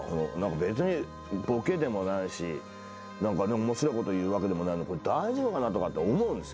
別にボケでもないし面白いこと言うわけでもないのに大丈夫かなとかって思うんですよ。